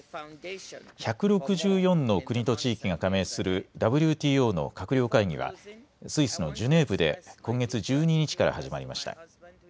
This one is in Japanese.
１６４の国と地域が加盟するＷＴＯの閣僚会議はスイスのジュネーブで今月１２日から始まりました。